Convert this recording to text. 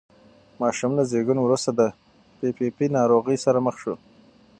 ماشوم له زېږون وروسته د پي پي پي ناروغۍ سره مخ شو.